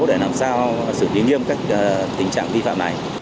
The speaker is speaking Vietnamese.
để làm sao xử lý nghiêm các tình trạng vi phạm này